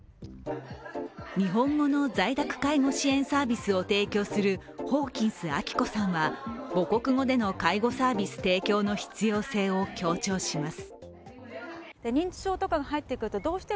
日本語の在宅介護支援サービスを提供するホーキンス明子さんは、母国語での介護サービス提供の必要性を強調します。